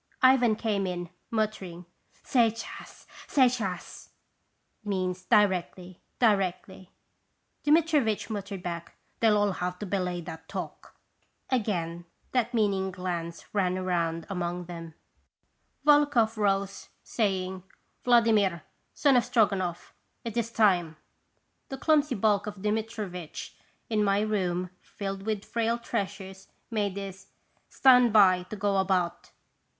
Ivan came in, muttering: "Seitshas! Set tshas! (Directly, directly!) Dmitrivitch muttered back: " They'll have to belay that talk !" Again that meaning glance ran round among them. 21 (Stations ibisitation. 201 Volokhoff rose, saying: "Vladimir, son of Stroganoff, it is time." The clumsy bulk of Dmitrivitch, in my room filled with frail treasures, made his " Stand by to go about!